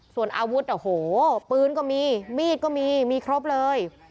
ส่วนอาวุธโอ้โหปืนก็มีมีดก็มีมีครบเลย